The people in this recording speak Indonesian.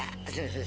aduh aduh aduh